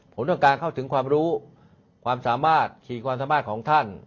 ผมต้องการเข้าถึงความรู้ความสามารถขี่ความสามารถของท่าน